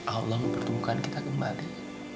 allah mempertemukan kita kembali